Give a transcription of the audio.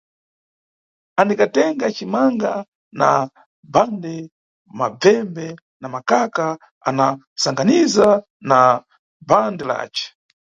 Anikatenga cimanga na bhande, mabvembe na makaka ana sanganiza na bhande lace.